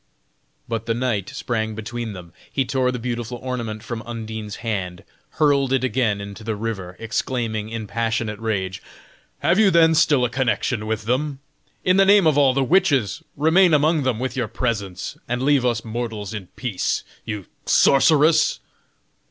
But the knight sprang between them. He tore the beautiful ornament from Undine's hand, hurled it again into the river, exclaiming in passionate rage: "Have you then still a connection with them? In the name of all the witches, remain among them with your presents, and leave us mortals in peace, you sorceress!"